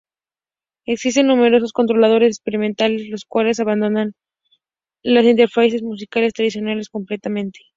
Existen numerosos controladores experimentales los cuales abandonan las interfaces musicales tradicionales completamente.